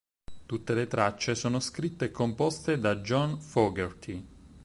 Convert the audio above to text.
Tutte le tracce sono scritte e composte da John Fogerty.